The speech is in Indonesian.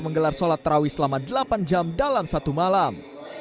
menggelar sholat terawih selama delapan jam dalam satu malam